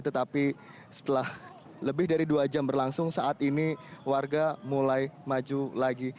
tetapi setelah lebih dari dua jam berlangsung saat ini warga mulai maju lagi